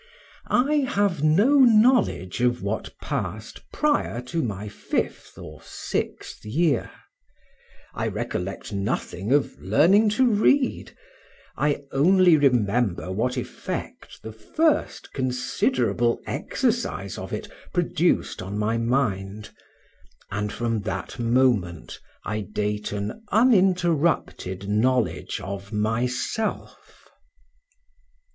I have no knowledge of what passed prior to my fifth or sixth year; I recollect nothing of learning to read, I only remember what effect the first considerable exercise of it produced on my mind; and from that moment I date an uninterrupted knowledge of myself.